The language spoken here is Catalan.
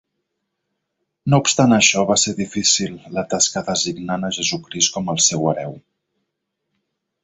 No obstant això, va fer difícil la tasca designant a Jesucrist com el seu hereu.